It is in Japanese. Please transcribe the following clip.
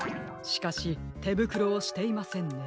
しかしてぶくろをしていませんね。